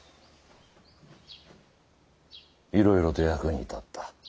いろいろと役に立った。